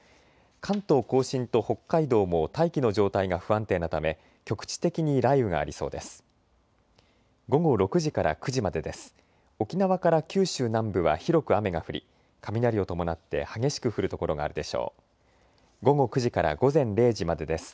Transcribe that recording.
関東甲信と北海道も大気の状態が不安定なため局地的に雷雨がありそうです。